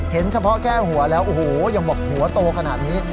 เฉพาะแก้หัวแล้วโอ้โหยังบอกหัวโตขนาดนี้